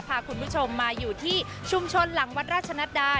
พาคุณผู้ชมมาอยู่ที่ชุมชนหลังวัดราชนัดดา